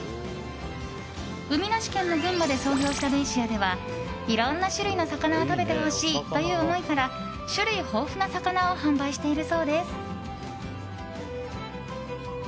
海なし県の群馬で創業したベイシアではいろんな種類の魚を食べてほしいという思いから種類豊富な魚を販売しているそうです。